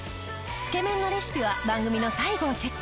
つけ麺のレシピは番組の最後をチェック！